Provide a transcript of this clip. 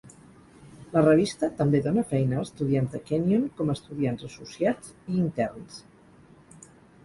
La revista també dona feina a estudiants de Kenyon com estudiants associats i interns.